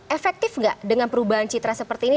efektif nggak dengan perubahan citra seperti ini